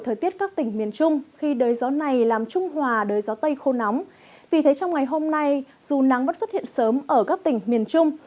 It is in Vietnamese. thời tiết các tỉnh miền trung khi đời gió này làm trung hòa đời gió tây khô nóng vì thế trong ngày hôm nay dù nắng vẫn xuất hiện sớm ở các tỉnh miền trung